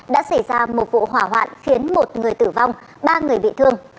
đã xảy ra một vụ hỏa hoạn khiến một người tử vong ba người bị thương